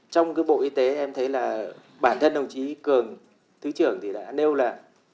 trong cái bộ y tế em thấy là bản thân đồng chí cường thứ trưởng thì đã nêu là